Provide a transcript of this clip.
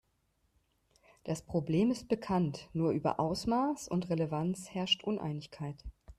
Das Problem ist bekannt, nur über Ausmaß und Relevanz herrscht Uneinigkeit.